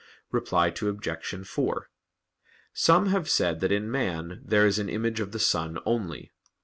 Reply Obj. 4: Some have said that in man there is an image of the Son only.